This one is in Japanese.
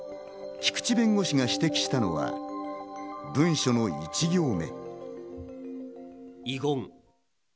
菊地弁護士が指摘したのは文書の１行目。